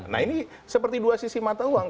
nah ini seperti dua sisi mata uang